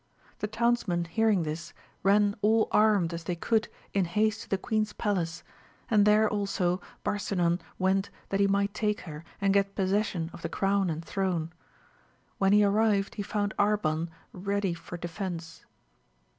Th townsmen hearing this, ran all armed as they could i haste to the queen's palace, and there also Barsina went that he might take her, and get possession c the crown and throne. When he arrived he foun Arban ready for defence.